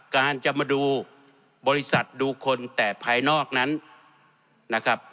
การจะมาดูบริษัทดูคนแต่ภายนอกนั้นนะครับ